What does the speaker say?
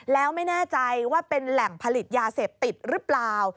แล้วไม่แน่ใจว่าเป็นแหล่งผลิตยาเสพติดหรือเปล่า